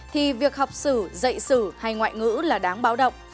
thì việc học sử dạy sử hay ngoại ngữ là đáng báo động